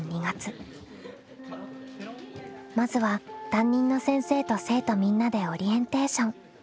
まずは担任の先生と生徒みんなでオリエンテーション。